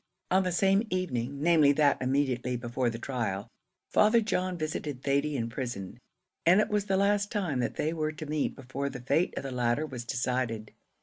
On the same evening, namely that immediately before the trial, Father John visited Thady in prison, and it was the last time that they were to meet before the fate of the latter was decided.